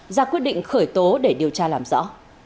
ra quyết định khởi tố để điều tra làm rõ